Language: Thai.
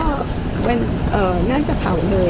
ภาษาสนิทยาลัยสุดท้าย